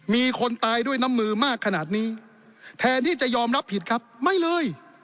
มีคนตายด้วยน้ำมือมากขนาดนี้แทนที่จะยอมรับผิดครับไม่เลย